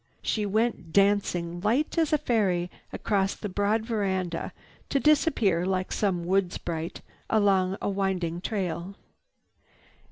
She went dancing, light as a fairy across the broad veranda to disappear like some woods sprite along a winding trail.